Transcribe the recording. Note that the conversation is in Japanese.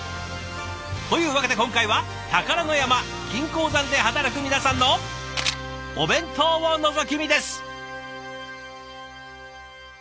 というわけで今回は宝の山金鉱山で働く皆さんのお弁当をのぞき見です！